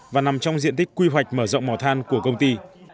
và nằm trong diện tích quy hoạch mở rộng mỏ than của công ty